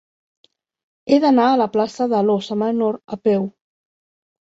He d'anar a la plaça de l'Óssa Menor a peu.